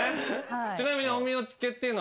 ちなみに。